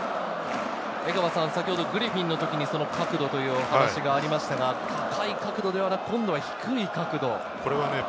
先ほどグリフィンの時にその「角度」というお話がありましたが、高い角度ではなく、低い角度。